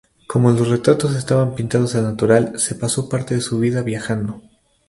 Como los retratos estaban pintados al natural se pasó parte de su vida viajando.